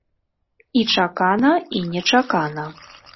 І чакана, і нечакана.